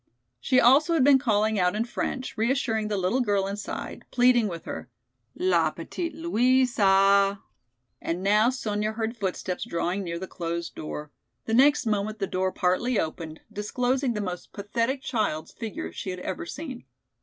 She also had been calling out in French, reassuring the little girl inside, pleading with her. "La petite Louisa." And now Sonya heard footsteps drawing near the closed door. The next moment the door partly opened, disclosing the most pathetic child's figure she had ever seen.